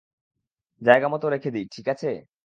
জায়গা মত রেখে দিই, ঠিক আছে?